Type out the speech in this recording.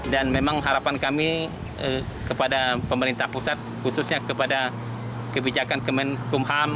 dan memang harapan kami kepada pemerintah pusat khususnya kepada kebijakan kemenkumham